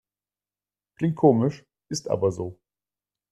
Klingt komisch, ist aber so.